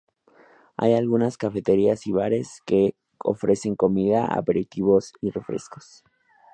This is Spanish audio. Hay algunas cafeterías y bares, que ofrecen comida, aperitivos y refrescos.